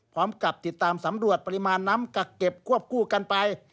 พร้อมกับติดตามสำรวจปริมาณน้ำกักเก็บควบคู่กันไป